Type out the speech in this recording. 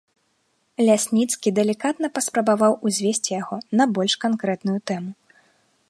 Лясніцкі далікатна паспрабаваў узвесці яго на больш канкрэтную тэму.